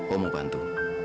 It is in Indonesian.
om mau bantu